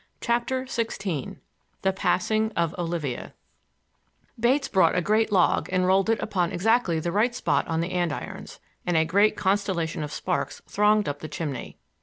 CHAPTER XVI THE PASSING OF OLIVIA Bates brought a great log and rolled it upon exactly the right spot on the andirons, and a great constellation of sparks thronged up the chimney.